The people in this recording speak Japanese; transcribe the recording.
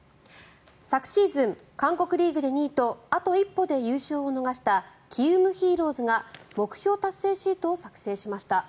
昨シーズン、韓国リーグで２位とあと一歩で優勝を逃したキウム・ヒーローズが目標達成シートを作成しました。